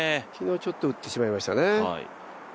昨日ちょっと打ってしまいましたね。